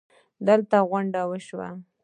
دلته غونډه وشوه